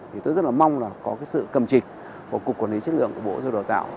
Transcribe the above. thì tôi rất là mong là có cái sự cầm trịch của cục quản lý chất lượng của bộ giao đào tạo